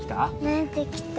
なれてきた。